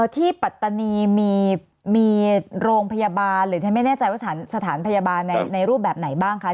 ปัตตานีมีโรงพยาบาลหรือฉันไม่แน่ใจว่าสถานพยาบาลในรูปแบบไหนบ้างคะ